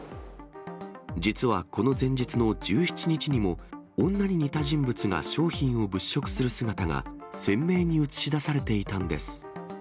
実は、この前日の１７日にも、女に似た人物が商品を物色する姿が鮮明に写し出されていたんです。